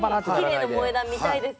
きれいな萌え断見たいです。